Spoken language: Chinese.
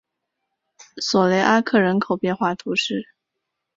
索雷阿克人口变化图示